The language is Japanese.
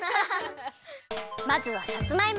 まずはさつまいも！